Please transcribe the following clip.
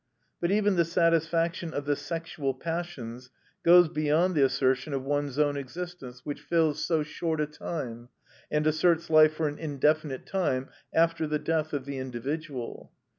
But even the satisfaction of the sexual passions goes beyond the assertion of one's own existence, which fills so short a time, and asserts life for an indefinite time after the death of the individual.